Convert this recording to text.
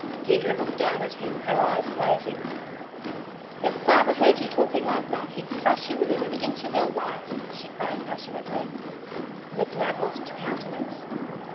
Deirdre looked down at him, her eyes blazing. "If father heard you talking like that, he'd thrash you within an inch of your life," she cried passionately. McNab lost countenance.